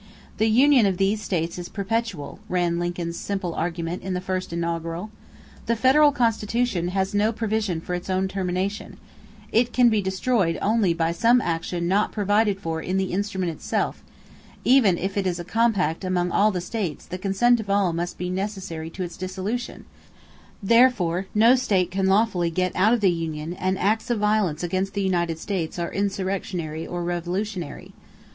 The union of these states is perpetual, ran Lincoln's simple argument in the first inaugural; the federal Constitution has no provision for its own termination; it can be destroyed only by some action not provided for in the instrument itself; even if it is a compact among all the states the consent of all must be necessary to its dissolution; therefore no state can lawfully get out of the union and acts of violence against the United States are insurrectionary or revolutionary.